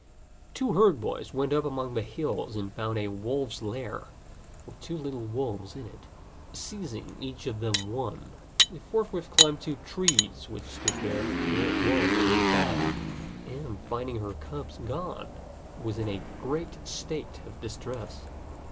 Two herd boys went up among the hills and found a wolf's lair with two little wolves in it. Seizing each of them one, they forthwith climbed two trees which stood there, at a distance of forty or fifty paces apart. Before long the old wolf came back, and, finding her cubs gone, was in a great state of distress.